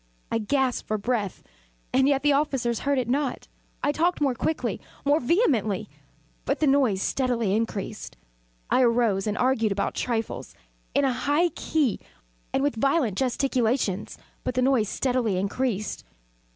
I gasped for breath and yet the officers heard it not. I talked more quickly more vehemently; but the noise steadily increased. I arose and argued about trifles, in a high key and with violent gesticulations; but the noise steadily increased.